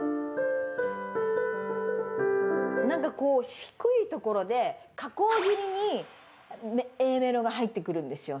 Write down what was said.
何かこう、低いところで下降気味にＡメロが入ってくるんですよ。